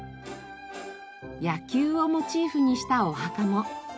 野球をモチーフにしたお墓も。